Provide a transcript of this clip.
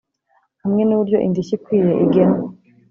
hamwe nuburyo indishyi ikwiye igenwa